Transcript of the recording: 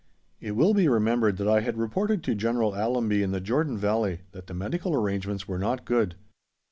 It will be remembered that I had reported to General Allenby in the Jordan Valley that the medical arrangements were not good.